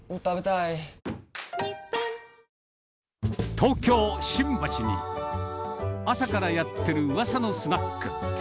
東京・新橋に、朝からやってるうわさのスナック。